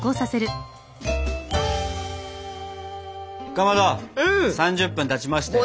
かまど３０分たちましたよ。